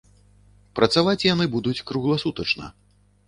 Працаваць яны будуць кругласутачна.